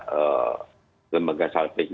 lembaga salvage national dan lain lain